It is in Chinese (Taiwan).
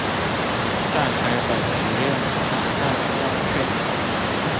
在河北實驗改造鄉村